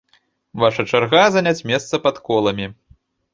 Ваша чарга заняць месца пад коламі!